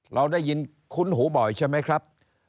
เราได้ยินคุ้นหูบ่อยใช่ไหมครับ